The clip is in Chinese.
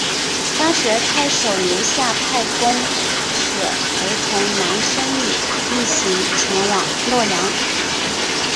当时太守刘夏派官吏陪同难升米一行前往洛阳。